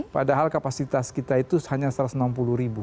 padahal kapasitas kita itu hanya satu ratus enam puluh ribu